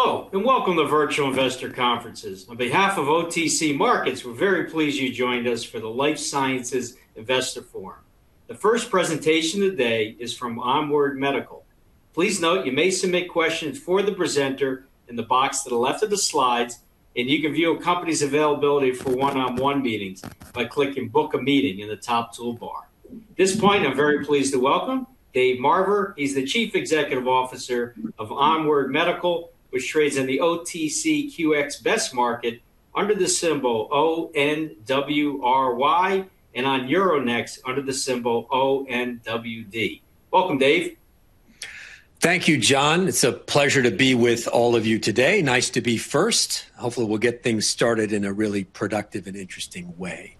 Hello, and welcome to Virtual Investor Conferences. On behalf of OTC Markets, we're very pleased you joined us for the Life Sciences Investor Forum. The first presentation today is from Onward Medical. Please note you may submit questions for the presenter in the box to the left of the slides, and you can view a company's availability for one-on-one meetings by clicking "Book a Meeting" in the top toolbar. At this point, I'm very pleased to welcome Dave Marver. He's the Chief Executive Officer of Onward Medical, which trades in the OTCQX Best Market under the symbol ONWRY, and on Euronext under the symbol ONWD. Welcome, Dave. Thank you, John. It's a pleasure to be with all of you today. Nice to be first. Hopefully, we'll get things started in a really productive and interesting way.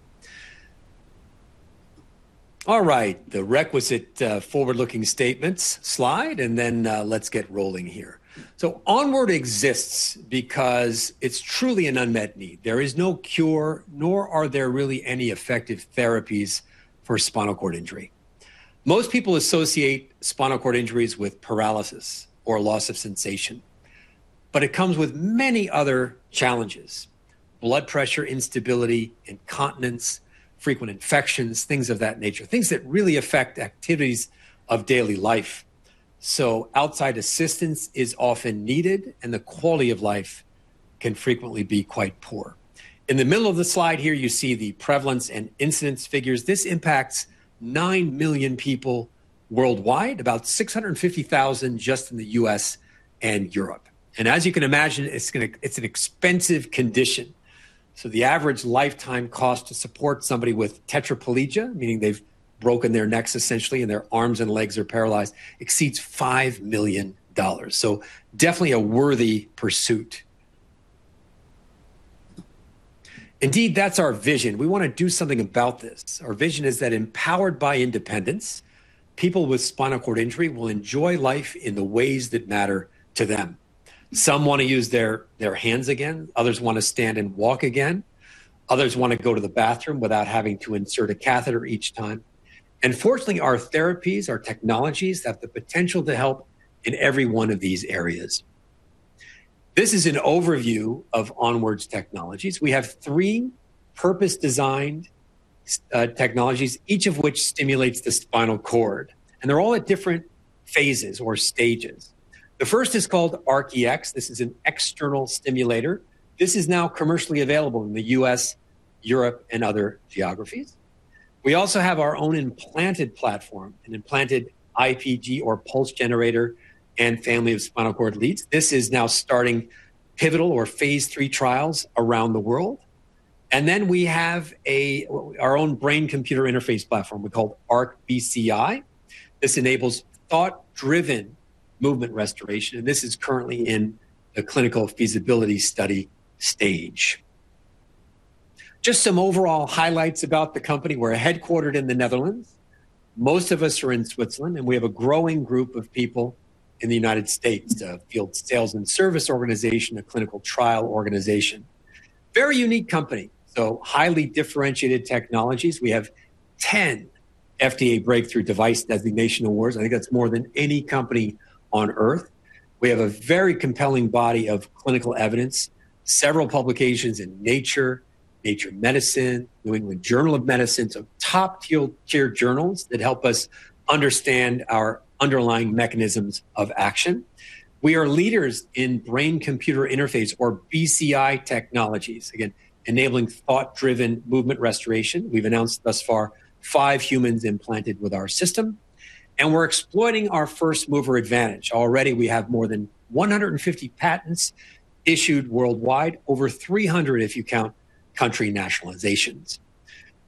All right, the requisite forward-looking statements slide, and then let's get rolling here. So Onward exists because it's truly an unmet need. There is no cure, nor are there really any effective therapies for spinal cord injury. Most people associate spinal cord injuries with paralysis or loss of sensation, but it comes with many other challenges: blood pressure, instability, incontinence, frequent infections, things of that nature, things that really affect activities of daily life. So outside assistance is often needed, and the quality of life can frequently be quite poor. In the middle of the slide here, you see the prevalence and incidence figures. This impacts 9 million people worldwide, about 650,000 just in the U.S. and Europe. As you can imagine, it's an expensive condition. So the average lifetime cost to support somebody with tetraplegia, meaning they've broken their neck essentially and their arms and legs are paralyzed, exceeds $5 million. So definitely a worthy pursuit. Indeed, that's our vision. We want to do something about this. Our vision is that empowered by independence, people with spinal cord injury will enjoy life in the ways that matter to them. Some want to use their hands again. Others want to stand and walk again. Others want to go to the bathroom without having to insert a catheter each time. And fortunately, our therapies, our technologies have the potential to help in every one of these areas. This is an overview of Onward Medical's technologies. We have three purpose designed technologies, each of which stimulates the spinal cord, and they're all at different phases or stages. The first is called ARC-EX. This is an external stimulator. This is now commercially available in the U.S., Europe, and other geographies. We also have our own implanted platform, an implanted IPG or pulse generator and family of spinal cord leads. This is now starting pivotal or phase three trials around the world. And then we have our own brain-computer interface platform. We call it ARC-BCI. This enables thought-driven movement restoration, and this is currently in the clinical feasibility study stage. Just some overall highlights about the company. We're headquartered in the Netherlands. Most of us are in Switzerland, and we have a growing group of people in the United States, a field sales and service organization, a clinical trial organization. Very unique company. So highly differentiated technologies. We have 10 FDA Breakthrough Device Designation Awards. I think that's more than any company on Earth. We have a very compelling body of clinical evidence, several publications in Nature, Nature Medicine, New England Journal of Medicine, so top-tier journals that help us understand our underlying mechanisms of action. We are leaders in brain-computer interface or BCI technologies, again, enabling thought-driven movement restoration. We've announced thus far five humans implanted with our system, and we're exploiting our first mover advantage. Already, we have more than 150 patents issued worldwide, over 300 if you count country nationalizations.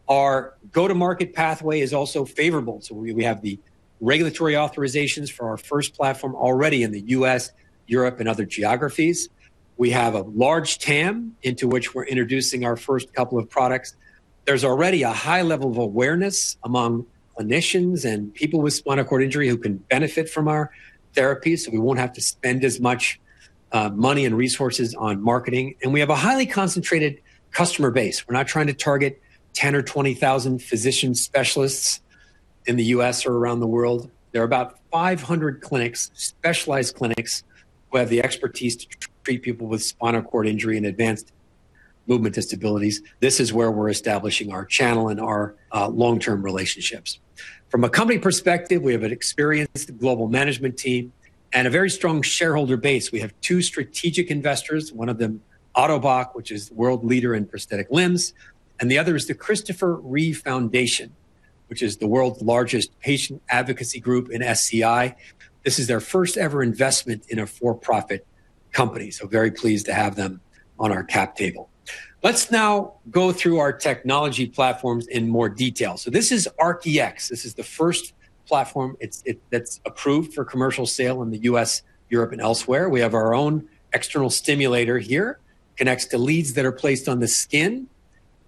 Our go-to-market pathway is also favorable. So we have the regulatory authorizations for our first platform already in the U.S., Europe, and other geographies. We have a large TAM into which we're introducing our first couple of products. There's already a high level of awareness among clinicians and people with spinal cord injury who can benefit from our therapies. So we won't have to spend as much money and resources on marketing. And we have a highly concentrated customer base. We're not trying to target 10,000 or 20,000 physician specialists in the U.S. or around the world. There are about 500 clinics, specialized clinics, who have the expertise to treat people with spinal cord injury and advanced movement disabilities. This is where we're establishing our channel and our long-term relationships. From a company perspective, we have an experienced global management team and a very strong shareholder base. We have two strategic investors. One of them, Ottobock, which is the world leader in prosthetic limbs, and the other is the Christopher Reeve Foundation, which is the world's largest patient advocacy group in SCI. This is their first-ever investment in a for-profit company. So very pleased to have them on our cap table. Let's now go through our technology platforms in more detail. So this is ARC-EX. This is the first platform that's approved for commercial sale in the U.S., Europe, and elsewhere. We have our own external stimulator here. It connects to leads that are placed on the skin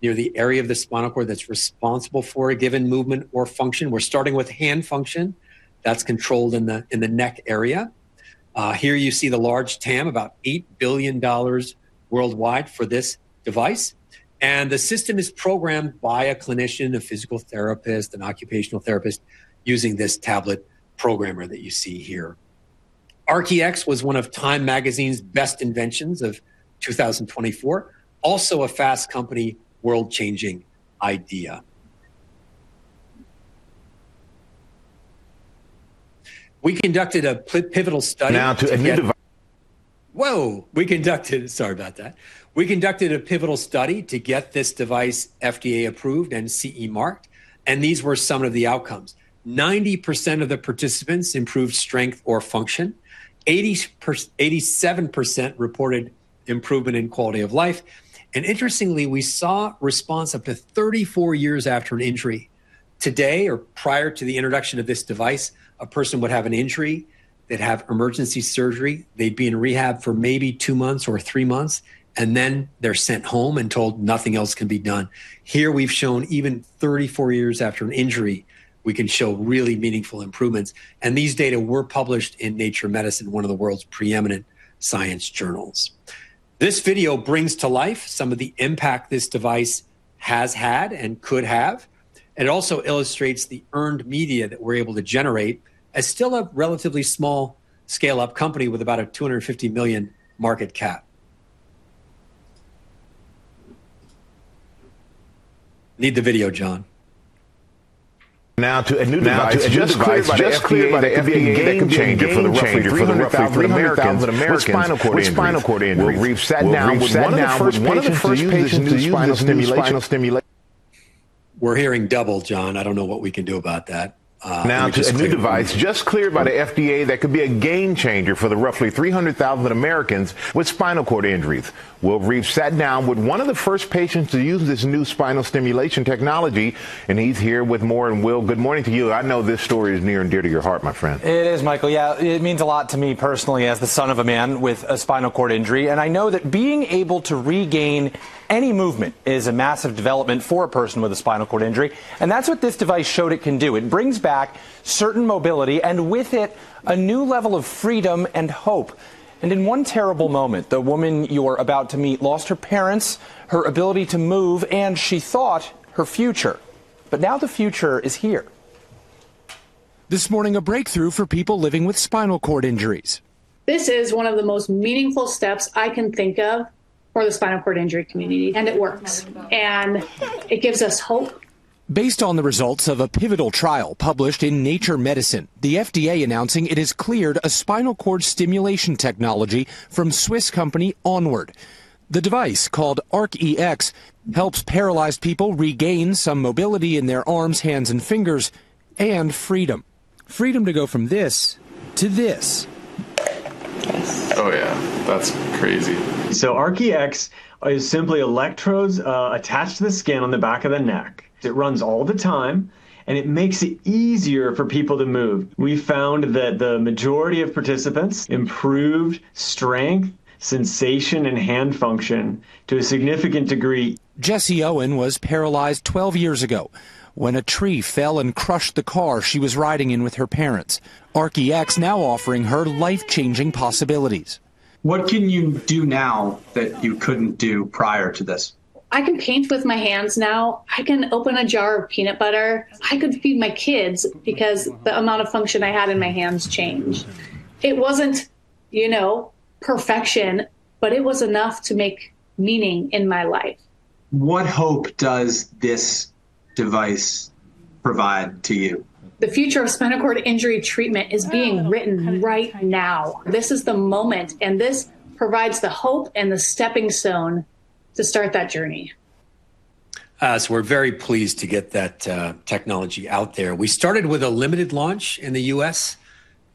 near the area of the spinal cord that's responsible for a given movement or function. We're starting with hand function. That's controlled in the neck area. Here you see the large TAM, about $8 billion worldwide for this device, and the system is programmed by a clinician, a physical therapist, an occupational therapist using this tablet programmer that you see here. ARC-EX was one of Time magazine's best inventions of 2024, also a Fast Company world-changing idea. We conducted a pivotal study. Now to a new device. We conducted a pivotal study to get this device FDA approved and CE marked, and these were some of the outcomes. 90% of the participants improved strength or function. 87% reported improvement in quality of life. Interestingly, we saw response up to 34 years after an injury. Today, or prior to the introduction of this device, a person would have an injury, they'd have emergency surgery, they'd be in rehab for maybe two months or three months, and then they're sent home and told nothing else can be done. Here we've shown even 34 years after an injury, we can show really meaningful improvements. These data were published in Nature Medicine, one of the world's preeminent science journals. This video brings to life some of the impact this device has had and could have. It also illustrates the earned media that we're able to generate as still a relatively small scale-up company with about a $250 million market cap. Need the video, John. Now to a new device just cleared by the FDA and given a chance for the roughly 30,000 Americans with spinal cord injury. We'll talk with one of the first patients in spinal stimulation. We're hearing double, John. I don't know what we can do about that. Now to a new device just cleared by the FDA that could be a game changer for the roughly 300,000 Americans with spinal cord injuries. [Wil Reeve] sat down with one of the first patients to use this new spinal stimulation technology, and he's here with more, Wil, good morning to you. I know this story is near and dear to your heart, my friend. It is, Michael. Yeah, it means a lot to me personally as the son of a man with a spinal cord injury. And I know that being able to regain any movement is a massive development for a person with a spinal cord injury. And that's what this device showed it can do. It brings back certain mobility and with it, a new level of freedom and hope. And in one terrible moment, the woman you are about to meet lost her parents, her ability to move, and she thought her future. But now the future is here. This morning, a breakthrough for people living with spinal cord injuries. This is one of the most meaningful steps I can think of for the spinal cord injury community, and it works, and it gives us hope. Based on the results of a pivotal trial published in Nature Medicine, the FDA announcing it has cleared a spinal cord stimulation technology from Swiss company Onward. The device called ARC-EX helps paralyzed people regain some mobility in their arms, hands, and fingers, and freedom. Freedom to go from this to this. Oh yeah, that's crazy. So ARC-EX is simply electrodes attached to the skin on the back of the neck. It runs all the time, and it makes it easier for people to move. We found that the majority of participants improved strength, sensation, and hand function to a significant degree. Jessi Owen was paralyzed 12 years ago when a tree fell and crushed the car she was riding in with her parents. ARC-EX now offering her life-changing possibilities. What can you do now that you couldn't do prior to this? I can paint with my hands now. I can open a jar of peanut butter. I could feed my kids because the amount of function I had in my hands changed. It wasn't, you know, perfection, but it was enough to make meaning in my life. What hope does this device provide to you? The future of spinal cord injury treatment is being written right now. This is the moment, and this provides the hope and the stepping stone to start that journey. We're very pleased to get that technology out there. We started with a limited launch in the U.S.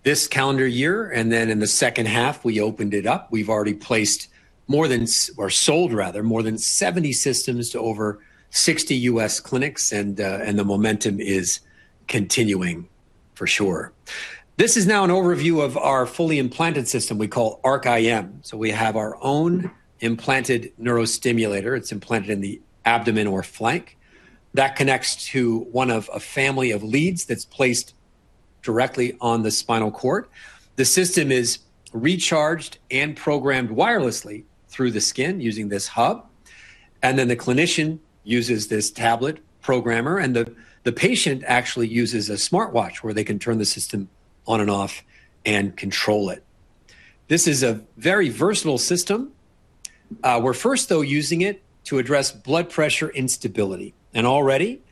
this calendar year, and then in the second half, we opened it up. We've already placed more than, or sold rather, more than 70 systems to over 60 U.S. clinics, and the momentum is continuing for sure. This is now an overview of our fully implanted system we call ARC-IM. We have our own implanted neurostimulator. It's implanted in the abdomen or flank that connects to one of a family of leads that's placed directly on the spinal cord. The system is recharged and programmed wirelessly through the skin using this hub. The clinician uses this tablet programmer, and the patient actually uses a smartwatch where they can turn the system on and off and control it. This is a very versatile system. We're first, though, using it to address blood pressure instability. And already,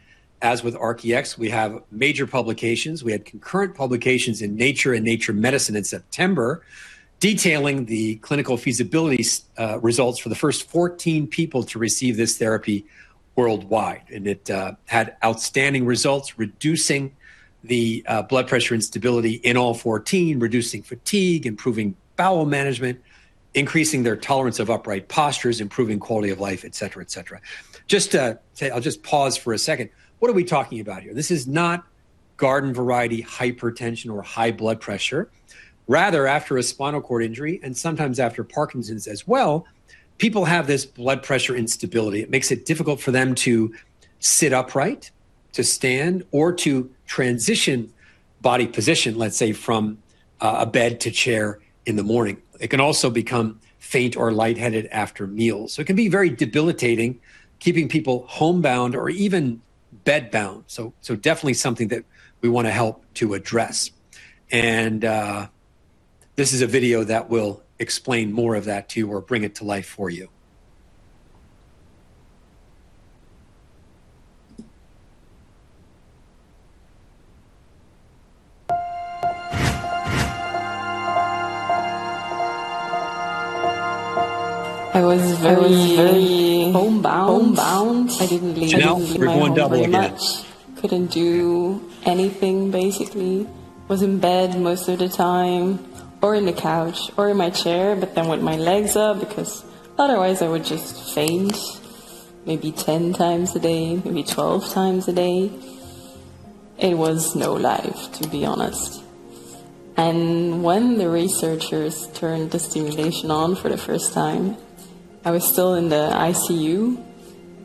as with ARC-EX, we have major publications. We had concurrent publications in Nature and Nature Medicine in September detailing the clinical feasibility results for the first 14 people to receive this therapy worldwide. And it had outstanding results, reducing the blood pressure instability in all 14, reducing fatigue, improving bowel management, increasing their tolerance of upright postures, improving quality of life, et cetera, et cetera. Just to say, I'll just pause for a second. What are we talking about here? This is not garden variety hypertension or high blood pressure. Rather, after a spinal cord injury and sometimes after Parkinson's as well, people have this blood pressure instability. It makes it difficult for them to sit upright, to stand, or to transition body position, let's say from a bed to chair in the morning. It can also become faint or lightheaded after meals, so it can be very debilitating, keeping people homebound or even bedbound, so definitely something that we want to help to address, and this is a video that will explain more of that to you or bring it to life for you. I was very homebound. I didn't leave my room very much. Couldn't do anything basically. Was in bed most of the time or in the couch or in my chair, but then with my legs up because otherwise I would just faint maybe 10 times a day, maybe 12 times a day. It was no life, to be honest, and when the researchers turned the stimulation on for the first time, I was still in the ICU,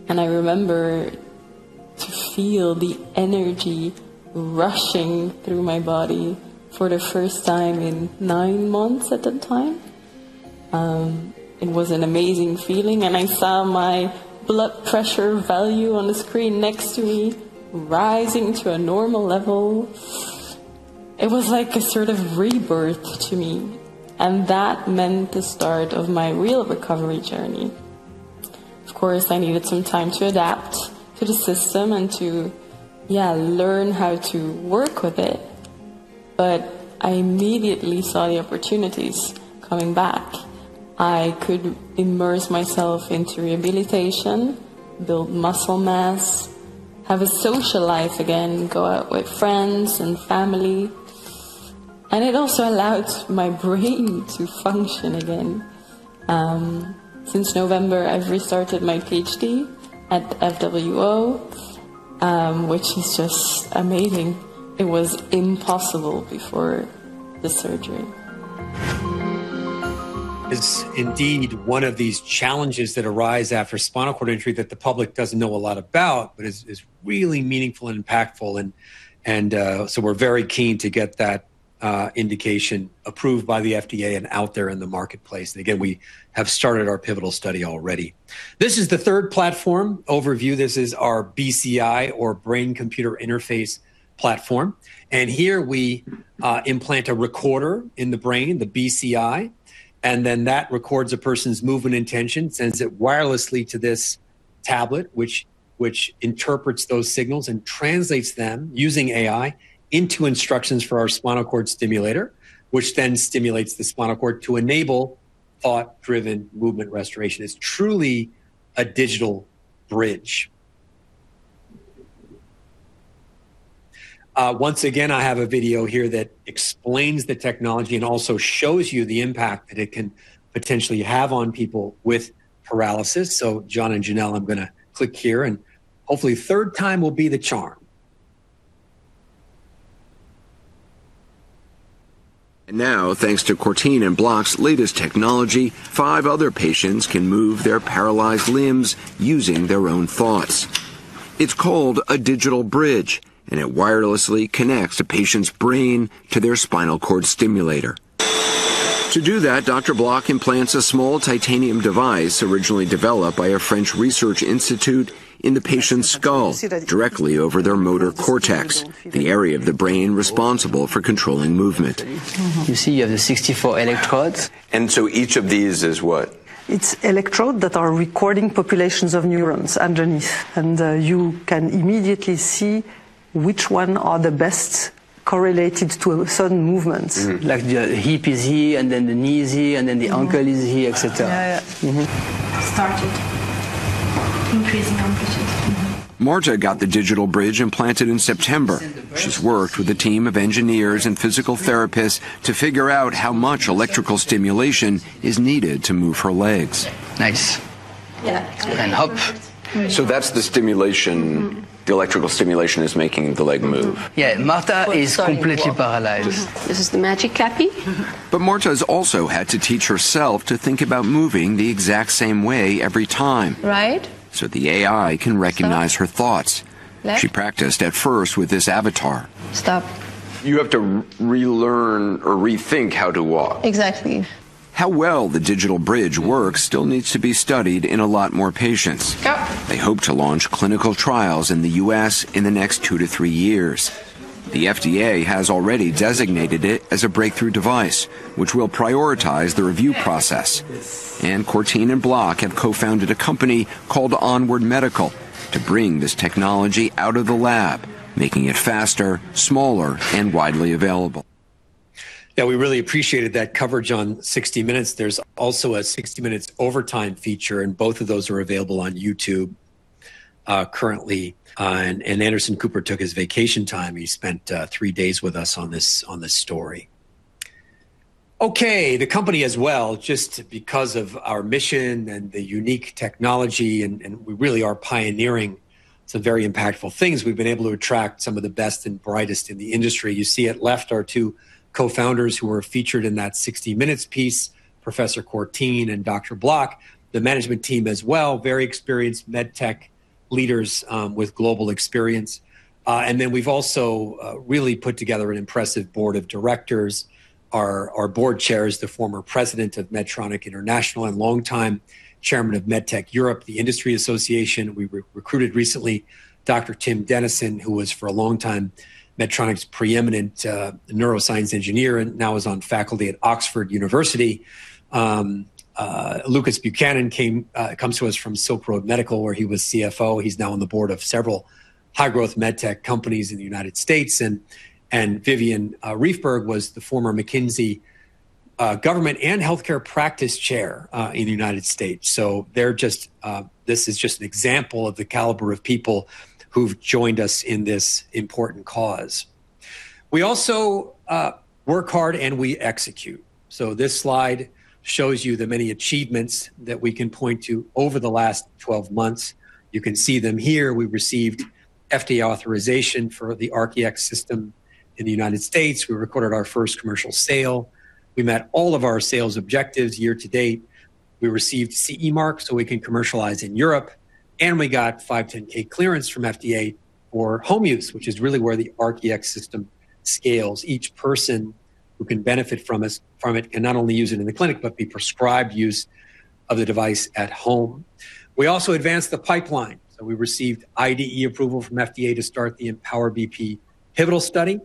and I remember to feel the energy rushing through my body for the first time in nine months at the time. It was an amazing feeling, and I saw my blood pressure value on the screen next to me rising to a normal level. It was like a sort of rebirth to me, and that meant the start of my real recovery journey. Of course, I needed some time to adapt to the system and to, yeah, learn how to work with it, but I immediately saw the opportunities coming back. I could immerse myself into rehabilitation, build muscle mass, have a social life again, go out with friends and family, and it also allowed my brain to function again. Since November, I've restarted my PhD at FWO, which is just amazing. It was impossible before the surgery. It's indeed one of these challenges that arise after spinal cord injury that the public doesn't know a lot about, but is really meaningful and impactful. And so we're very keen to get that indication approved by the FDA and out there in the marketplace. And again, we have started our pivotal study already. This is the third platform overview. This is our BCI or brain-computer interface platform. And here we implant a recorder in the brain, the BCI, and then that records a person's movement intention, sends it wirelessly to this tablet, which interprets those signals and translates them using AI into instructions for our spinal cord stimulator, which then stimulates the spinal cord to enable thought-driven movement restoration. It's truly a digital bridge. Once again, I have a video here that explains the technology and also shows you the impact that it can potentially have on people with paralysis. So John and Janelle, I'm going to click here, and hopefully third time will be the charm. Now, thanks to Courtine and Bloch's latest technology, five other patients can move their paralyzed limbs using their own thoughts. It's called a digital bridge, and it wirelessly connects a patient's brain to their spinal cord stimulator. To do that, Dr. Bloch implants a small titanium device originally developed by a French research institute in the patient's skull directly over their motor cortex, the area of the brain responsible for controlling movement. You see, you have the 64 electrodes. And so each of these is what? It's electrodes that are recording populations of neurons underneath, and you can immediately see which ones are the best correlated to a certain movement. Like the hip is here, and then the knee is here, and then the ankle is here, et cetera. Yeah, yeah. Started. Increasing amplitude. Marta got the digital bridge implanted in September. She's worked with a team of engineers and physical therapists to figure out how much electrical stimulation is needed to move her legs. Nice. Yeah. And hop. So that's the stimulation, the electrical stimulation is making the leg move. Yeah, Marta is completely paralyzed. This is the magic clappy. But Marta has also had to teach herself to think about moving the exact same way every time. Right. So the AI can recognize her thoughts. She practiced at first with this avatar. Stop. You have to relearn or rethink how to walk. Exactly. How well the digital bridge works still needs to be studied in a lot more patients. Go. They hope to launch clinical trials in the U.S. in the next two to three years. The FDA has already designated it as a breakthrough device, which will prioritize the review process. And Courtine and Bloch have co-founded a company called Onward Medical to bring this technology out of the lab, making it faster, smaller, and widely available. Yeah, we really appreciated that coverage on 60 Minutes. There's also a 60 Minutes Overtime feature, and both of those are available on YouTube currently. And Anderson Cooper took his vacation time. He spent three days with us on this story. Okay, the company as well, just because of our mission and the unique technology, and we really are pioneering some very impactful things. We've been able to attract some of the best and brightest in the industry. You see at left are two co-founders who were featured in that 60 Minutes piece, Professor Courtine and Dr. Bloch. The management team as well, very experienced med tech leaders with global experience. And then we've also really put together an impressive board of directors. Our board chair is the former president of Medtronic International and longtime chairman of MedTech Europe, the industry association. We recruited recently Dr. Tim Denison, who was for a long time Medtronic's preeminent neuroscience engineer and now is on faculty at University of Oxford. Lucas Buchanan comes to us from Silk Road Medical, where he was CFO. He's now on the board of several high-growth med tech companies in the United States. And Vivian Riefberg was the former McKinsey government and healthcare practice chair in the United States. So this is just an example of the caliber of people who've joined us in this important cause. We also work hard and we execute. So this slide shows you the many achievements that we can point to over the last 12 months. You can see them here. We received FDA authorization for the ARC-EX system in the United States. We recorded our first commercial sale. We met all of our sales objectives year to date. We received CE marks so we can commercialize in Europe. We got 510(k) clearance from FDA for home use, which is really where the ARC-EX System scales. Each person who can benefit from it can not only use it in the clinic, but be prescribed use of the device at home. We also advanced the pipeline. We received IDE approval from FDA to start the EmpowerBP pivotal study.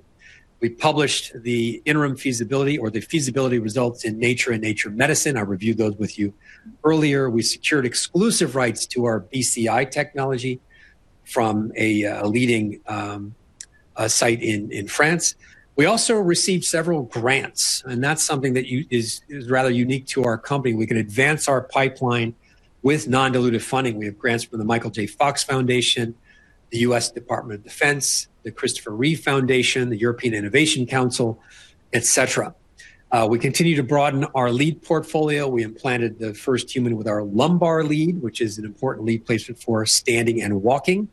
We published the interim feasibility or the feasibility results in Nature and Nature Medicine. I reviewed those with you earlier. We secured exclusive rights to our BCI technology from a leading site in France. We also received several grants, and that's something that is rather unique to our company. We can advance our pipeline with non-dilutive funding. We have grants from the Michael J. Fox Foundation, the U.S. Department of Defense, the Christopher Reeve Foundation, the European Innovation Council, et cetera. We continue to broaden our IP portfolio. We implanted the first human with our lumbar lead, which is an important lead placement for standing and walking.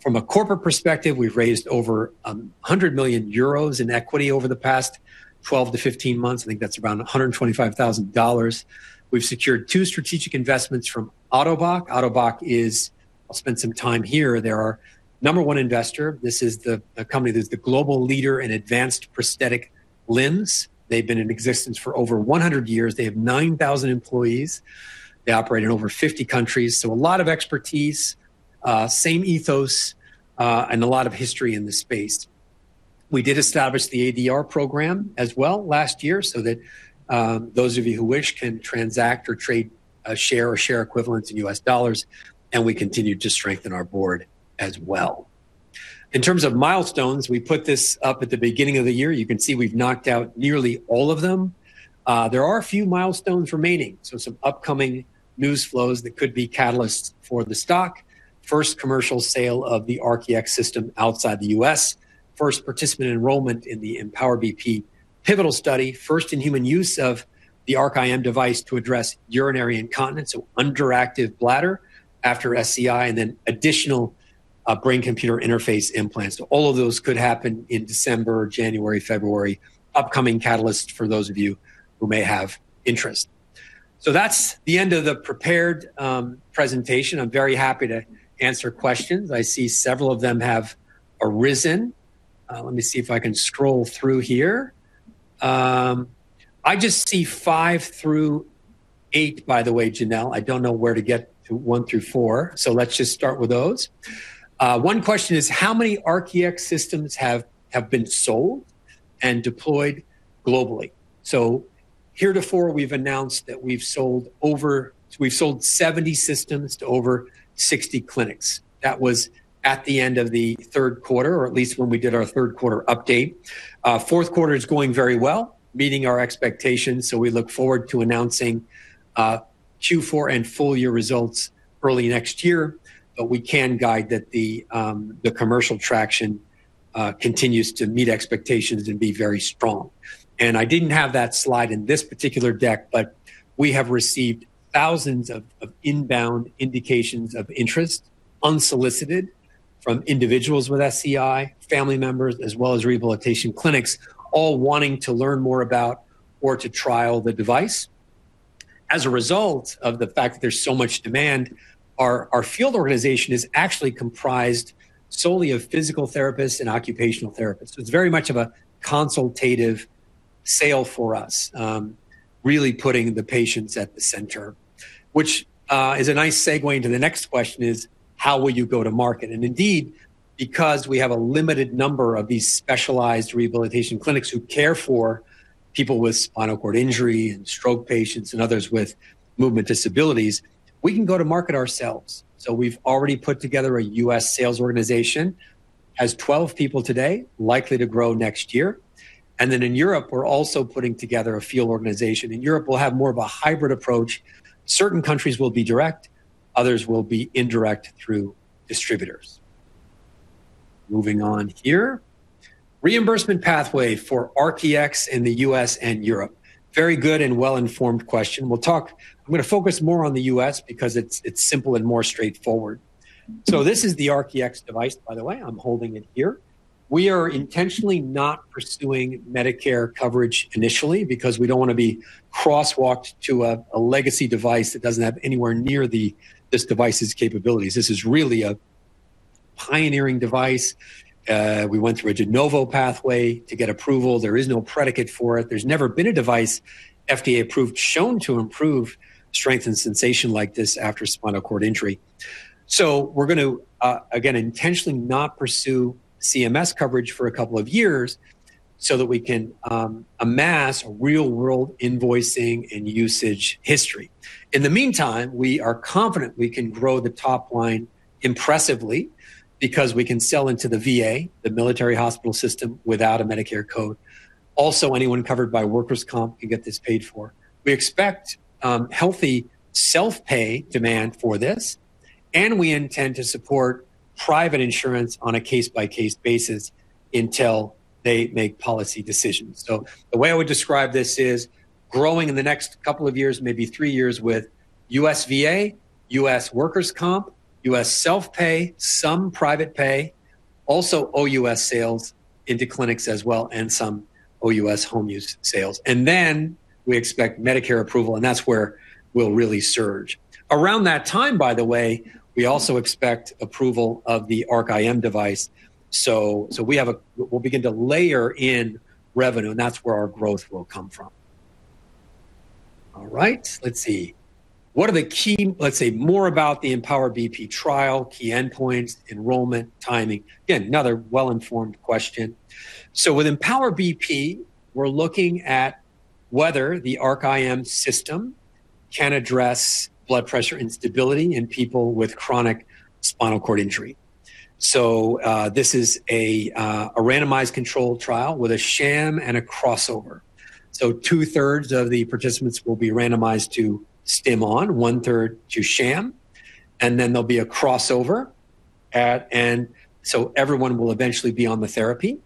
From a corporate perspective, we've raised over 100 million euros in equity over the past 12 to 15 months. I think that's around $125,000. We've secured two strategic investments from Ottobock. Ottobock is, I'll spend some time here. They are number one investor. This is the company that's the global leader in advanced prosthetic limbs. They've been in existence for over 100 years. They have 9,000 employees. They operate in over 50 countries. So a lot of expertise, same ethos, and a lot of history in the space. We did establish the ADR program as well last year so that those of you who wish can transact or trade share or share equivalents in US dollars. And we continue to strengthen our board as well. In terms of milestones, we put this up at the beginning of the year. You can see we've knocked out nearly all of them. There are a few milestones remaining. So some upcoming news flows that could be catalysts for the stock. First commercial sale of the ARC-EX system outside the U.S. First participant enrollment in the Empower BP pivotal study. First in human use of the ARC-IM device to address urinary incontinence, so underactive bladder after SCI, and then additional brain-computer interface implants. All of those could happen in December, January, February. Upcoming catalysts for those of you who may have interest. So that's the end of the prepared presentation. I'm very happy to answer questions. I see several of them have arisen. Let me see if I can scroll through here. I just see five through eight, by the way, Janelle. I don't know where to get to one through four, so let's just start with those. One question is, how many ARC-EX systems have been sold and deployed globally, so heretofore, we've announced that we've sold over, we've sold 70 systems to over 60 clinics. That was at the end of the third quarter, or at least when we did our third quarter update. Fourth quarter is going very well, meeting our expectations, so we look forward to announcing Q4 and full year results early next year, but we can guide that the commercial traction continues to meet expectations and be very strong, and I didn't have that slide in this particular deck, but we have received thousands of inbound indications of interest, unsolicited, from individuals with SCI, family members, as well as rehabilitation clinics, all wanting to learn more about or to trial the device. As a result of the fact that there's so much demand, our field organization is actually comprised solely of physical therapists and occupational therapists. So it's very much of a consultative sale for us, really putting the patients at the center, which is a nice segue into the next question is: how will you go to market? And indeed, because we have a limited number of these specialized rehabilitation clinics who care for people with spinal cord injury and stroke patients and others with movement disabilities, we can go to market ourselves. So we've already put together a U.S. sales organization, has 12 people today, likely to grow next year. And then in Europe, we're also putting together a field organization. In Europe, we'll have more of a hybrid approach. Certain countries will be direct, others will be indirect through distributors. Moving on here. Reimbursement pathway for ARC-EX in the U.S. and Europe. Very good and well-informed question. We'll talk. I'm going to focus more on the U.S. because it's simple and more straightforward, so this is the ARC-EX device, by the way. I'm holding it here. We are intentionally not pursuing Medicare coverage initially because we don't want to be crosswalked to a legacy device that doesn't have anywhere near this device's capabilities. This is really a pioneering device. We went through a De Novo pathway to get approval. There is no predicate for it. There's never been a device FDA approved shown to improve strength and sensation like this after spinal cord injury, so we're going to, again, intentionally not pursue CMS coverage for a couple of years so that we can amass real-world invoicing and usage history. In the meantime, we are confident we can grow the top line impressively because we can sell into the VA, the military hospital system without a Medicare code. Also, anyone covered by workers' comp can get this paid for. We expect healthy self-pay demand for this. And we intend to support private insurance on a case-by-case basis until they make policy decisions. So the way I would describe this is growing in the next couple of years, maybe three years with U.S. VA, U.S. workers' comp, U.S. self-pay, some private pay, also OUS sales into clinics as well, and some OUS home use sales. And then we expect Medicare approval, and that's where we'll really surge. Around that time, by the way, we also expect approval of the ARC-IM device. So we'll begin to layer in revenue, and that's where our growth will come from. All right, let's see. What are the key, let's say, more about the Empower BP trial, key endpoints, enrollment, timing? Again, another well-informed question. So with Empower BP, we're looking at whether the ARC-IM system can address blood pressure instability in people with chronic spinal cord injury. So this is a randomized control trial with a sham and a crossover. So two-thirds of the participants will be randomized to Stim On, one-third to sham. And then there'll be a crossover. And so everyone will eventually be on the therapy.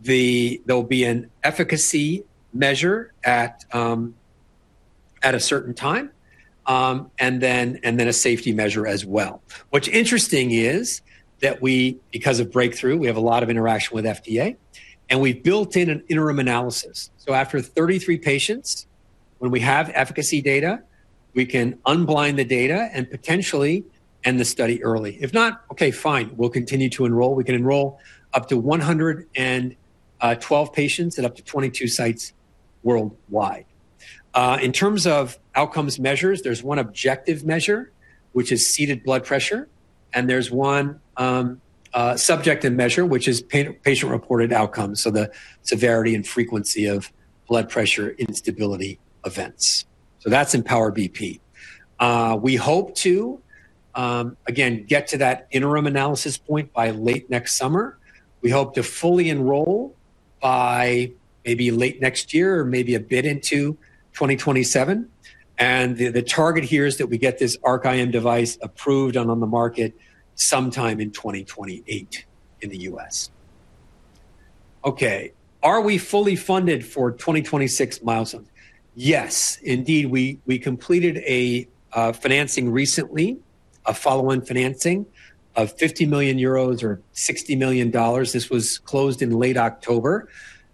There'll be an efficacy measure at a certain time, and then a safety measure as well. What's interesting is that we, because of Breakthrough, we have a lot of interaction with FDA, and we've built in an interim analysis. So after 33 patients, when we have efficacy data, we can unblind the data and potentially end the study early. If not, okay, fine, we'll continue to enroll. We can enroll up to 112 patients at up to 22 sites worldwide. In terms of outcomes measures, there's one objective measure, which is seated blood pressure. And there's one subjective measure, which is patient-reported outcomes. So the severity and frequency of blood pressure instability events. So that's Empower BP. We hope to, again, get to that interim analysis point by late next summer. We hope to fully enroll by maybe late next year or maybe a bit into 2027. And the target here is that we get this ARC-IM device approved and on the market sometime in 2028 in the U.S. Okay, are we fully funded for 2026 milestones? Yes, indeed. We completed a financing recently, a follow-on financing of 50 million euros or $60 million. This was closed in late October.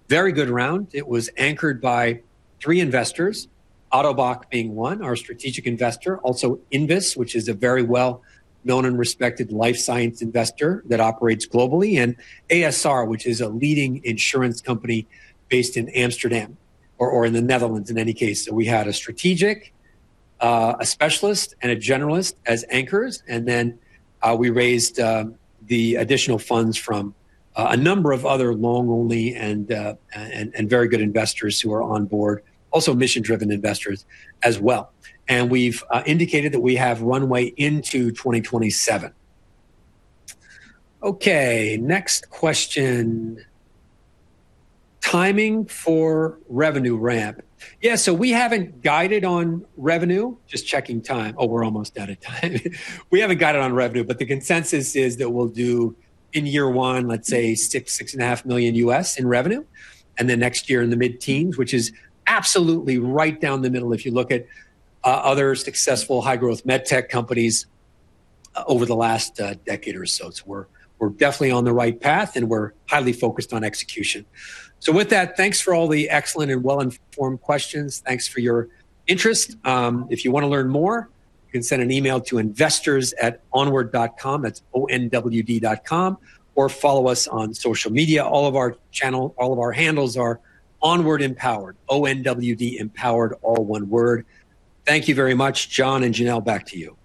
Very good round. It was anchored by three investors, Ottobock being one, our strategic investor, also Inkef, which is a very well-known and respected life science investor that operates globally, and a.s.r., which is a leading insurance company based in Amsterdam or in the Netherlands in any case. So we had a strategic, a specialist, and a generalist as anchors. And then we raised the additional funds from a number of other long-only and very good investors who are on board, also mission-driven investors as well. And we've indicated that we have runway into 2027. Okay, next question. Timing for revenue ramp. Yeah, so we haven't guided on revenue, just checking time. Oh, we're almost out of time. We haven't guided on revenue, but the consensus is that we'll do in year one, let's say, $6-$6.5 million in revenue. And then next year in the mid-teens, which is absolutely right down the middle if you look at other successful high-growth med tech companies over the last decade or so. So we're definitely on the right path, and we're highly focused on execution. So with that, thanks for all the excellent and well-informed questions. Thanks for your interest. If you want to learn more, you can send an email to investors@onwardmedical.com. That's onwardmedical.com. Or follow us on social media. All of our channels, all of our handles are onward empowered, ONWD empowered, all one word. Thank you very much, John and Janelle, back to you.